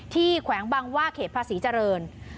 แขวงบางว่าเขตภาษีเจริญ